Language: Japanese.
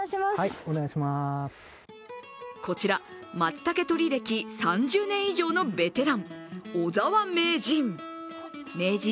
こちら、松茸採り歴３０年以上のベテラン・小澤名人。